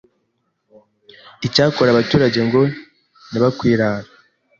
icyakora abaturage ngo ntibakwirara